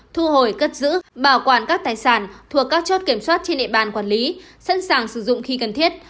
thu hồi cất giữ bảo quản các tài sản thuộc các chốt kiểm soát trên địa bàn quản lý sẵn sàng sử dụng khi cần thiết